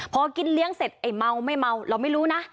พอกินเลี้ยงเสร็จไอ้เมาไม่เมาเราไม่รู้นะ